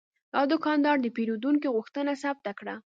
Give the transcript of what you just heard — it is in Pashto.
دا دوکاندار د پیرودونکي غوښتنه ثبت کړه.